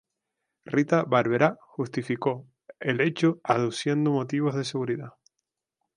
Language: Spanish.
Rita Barberá justificó el hecho aduciendo motivos de seguridad.